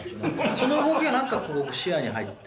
その動きがこう視野に入って。